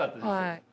はい。